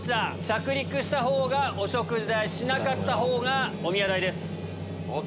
着陸したほうがお食事代しなかったほうがおみや代です。